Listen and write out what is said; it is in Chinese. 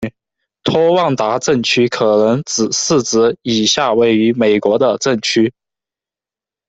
托旺达镇区可能是指以下位于美国的镇区：